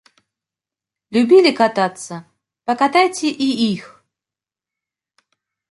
Любілі катацца, пакатайце і іх!